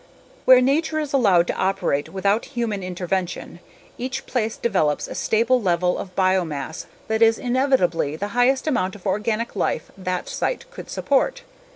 Where nature is allowed to operate without human intervention, each place develops a stable level of biomass that is inevitably the highest amount of organic life that site could support.